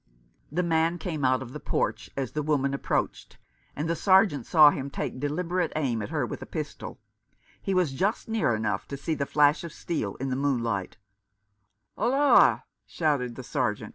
The man came out of the porch as the woman 2Si Rough Justice. approached, and the Sergeant saw him take deliberate aim at her with a pistol. He was just near enough to see the flash of steel in the moon light. " Holloa!